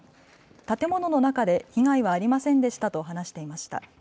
建物の中で被害はありませんでしたと話していました。